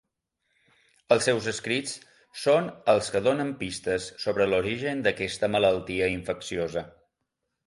Els seus escrits són els que donen pistes sobre l'origen d'aquesta malaltia infecciosa.